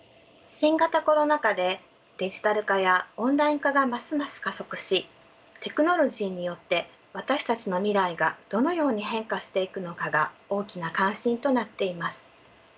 新型コロナ禍でデジタル化やオンライン化がますます加速しテクノロジーによって私たちの未来がどのように変化していくのかが大きな関心となっています。